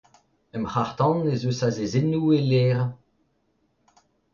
E'm c'harr-tan ez eus azezennoù e ler.